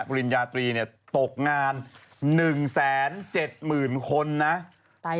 ปริญญาตรีตกงาน๑แสน๗หมื่นคนนะ